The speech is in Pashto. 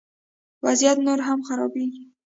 وضعیت نور هم خرابیږي